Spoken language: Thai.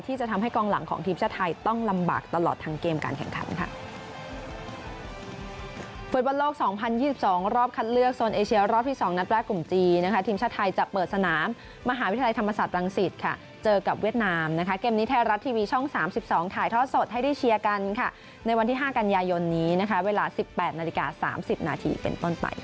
ที่จะทำให้กองหลังของทีมชาติไทยต้องลำบากตลอดทั้งเกมการแข่งขันค่ะ